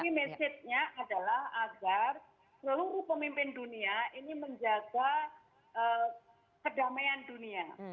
ini mesejnya adalah agar seluruh pemimpin dunia ini menjaga kedamaian dunia